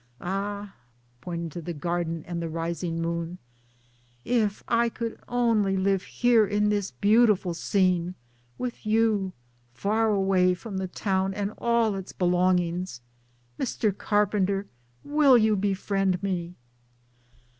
Ah !" (pointing to the garden and the rising moon) " if I could only live here in this beau tiful scene, with you, far away from the town and all its belongings. Mr. Carpenter, will you befriend me?